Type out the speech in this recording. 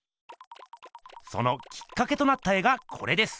そのきっかけとなった絵がこれです。